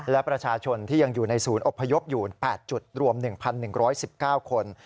และประชาชนที่ยังอยู่ในศูนย์อบพยพอยู่๘จุดรวม๑๑๑๙คน